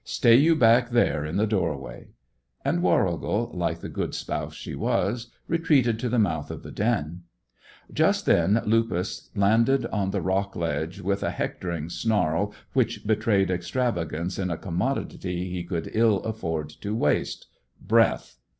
"Stay you back there in the doorway." And Warrigal, like the good spouse she was, retreated to the mouth of the den. Just then Lupus landed on the rock ledge with a hectoring snarl which betrayed extravagance in a commodity he could ill afford to waste breath.